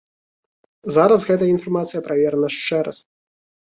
Зараз гэтая інфармацыя праверана яшчэ раз.